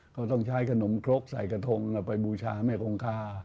เขาต้องใช้ขนมครกใส่กระทงเอาไปบูชาแม่คงคา